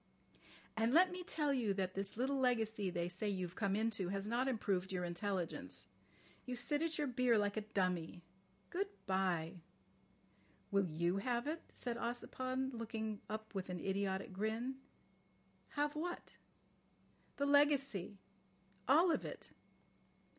"And let me tell you that this little legacy they say you've come into has not improved your intelligence. You sit at your beer like a dummy. Good bye." "Will you have it?" said Ossipon, looking up with an idiotic grin. "Have what?" "The legacy. All of it."